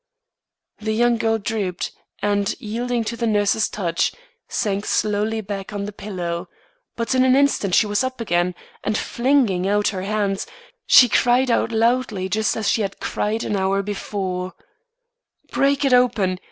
The young girl drooped, and, yielding to the nurse's touch, sank slowly back on the pillow; but in an instant she was up again, and flinging out her hand, she cried out loudly just as she had cried an hour before: "Break it open!